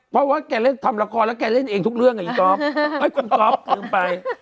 เพราะว่าแกเล่นทำละครแล้วแกเล่นเองทุกเรื่องไงอีกก๊อฟ